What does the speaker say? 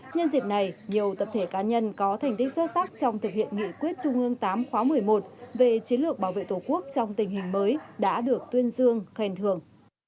nhân dịp này nhiều tập thể cá nhân có thành tích xuất sắc trong thực hiện nghị quyết trung ương tám khóa một mươi một về chiến lược bảo vệ tổ quốc trong tình hình mới đã được tuyên dương khen thường